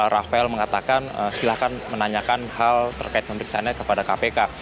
rafael mengatakan silahkan menanyakan hal terkait pemeriksaannya kepada kpk